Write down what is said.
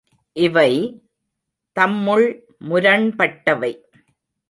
இவை, தம்முள் முரண்பட்டவை.